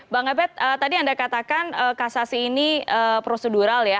bang abed tadi anda katakan kasasi ini prosedural ya